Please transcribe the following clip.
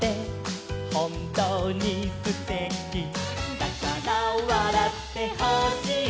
「だからわらってほしい」